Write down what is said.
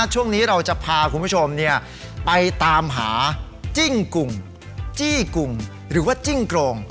ช่วงนี้เราจะพาคุณผู้ชมไปตามหาจิ้งกุ่งจี้กุ่งหรือว่าจิ้งโกรง